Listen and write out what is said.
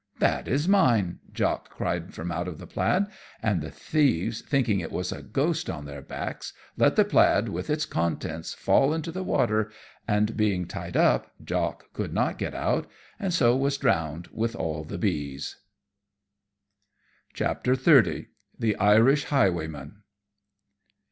"That is mine," Jock cried from out of the plaid; and the thieves thinking it was a ghost on their backs, let the plaid, with its contents, fall into the water, and it being tied up Jock could not get out, so was drowned with all the bees. [Decoration] XXX. _The Irish Highwayman.